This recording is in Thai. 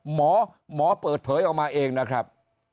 หมอหมอเปิดเผยออกมาเองนะครับ